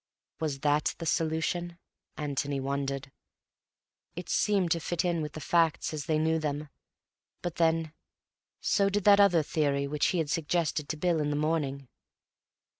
Was that the solution, Antony wondered. It seemed to fit in with the facts as they knew them; but then, so did that other theory which he had suggested to Bill in the morning.